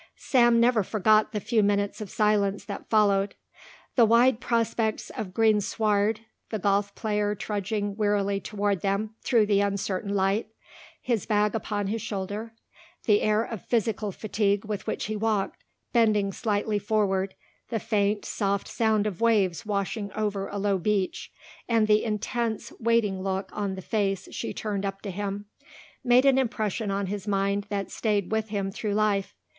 Sam never forgot the few minutes of silence that followed. The wide prospects of green sward, the golf player trudging wearily toward them through the uncertain light, his bag upon his shoulder, the air of physical fatigue with which he walked, bending slightly forward, the faint, soft sound of waves washing over a low beach, and the intense waiting look on the face she turned up to him, made an impression on his mind that stayed with him through life.